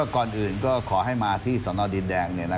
ก่อนอื่นก็ขอให้มาที่สนดินแดง